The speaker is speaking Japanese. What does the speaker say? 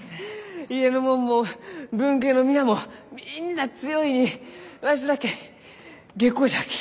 家の者も分家の皆もみんなあ強いにわしだけ下戸じゃき。